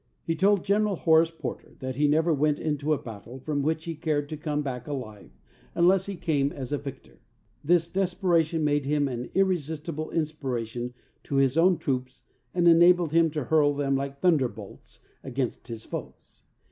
He told General Horace Porter that he never went into a battle from which he cared to come back alive unless he came as a victor. This desperation made him an irresistible inspiration to his own troops and enabled him to hurl them like thunderbolts against his foes.